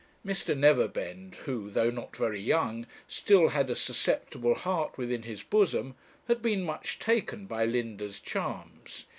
Mr. Neverbend, who, though not very young, still had a susceptible heart within his bosom, had been much taken by Linda's charms.